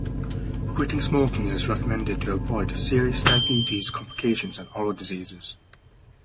Quitting smoking is recommended to avoid serious diabetes complications and oral diseases.